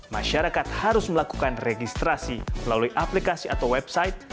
masyarakat harus melakukan registrasi melalui aplikasi atau website